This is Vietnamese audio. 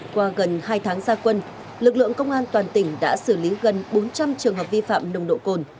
qua gần hai tháng gia quân lực lượng công an toàn tỉnh đã xử lý gần bốn trăm linh trường hợp vi phạm nồng độ cồn